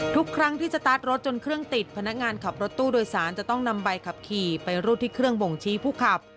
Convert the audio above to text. ทุกครั้งที่สตาร์ทรถจนเครื่องติดพนักงานขับรถตู้โดยสารจะต้องนำใบขับขี่ไปรูดที่เครื่องบ่งชี้ผู้ขับ